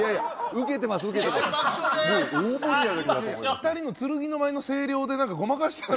２人の『剣の舞』の声量でごまかしてた。